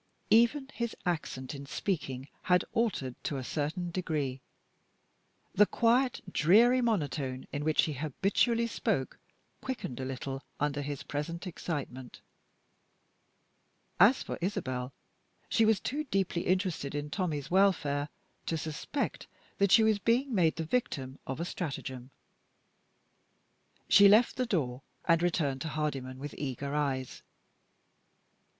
Even his accent in speaking had altered to a certain degree. The quiet, dreary monotone in which he habitually spoke quickened a little under his present excitement. As for Isabel, she was too deeply interested in Tommie's welfare to suspect that she was being made the victim of a stratagem. She left the door and returned to Hardyman with eager eyes.